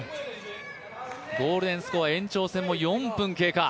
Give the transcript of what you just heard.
ゴールデンスコア、延長戦も４分が経過。